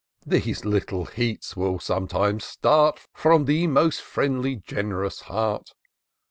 273 These little heats will sometimes start From the most friendly, gen'rous heart.